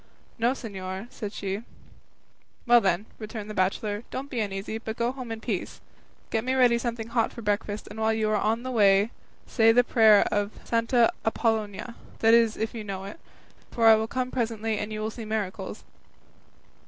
"No, señor," said she. "Well then," returned the bachelor, "don't be uneasy, but go home in peace; get me ready something hot for breakfast, and while you are on the way say the prayer of Santa Apollonia, that is if you know it; for I will come presently and you will see miracles."